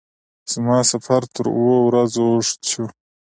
زما سفر تر اوو ورځو اوږد شو.